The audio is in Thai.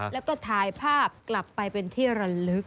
แล้วก็ถ่ายภาพกลับไปเป็นที่ระลึก